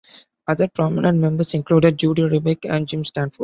Other prominent members included Judy Rebick and Jim Stanford.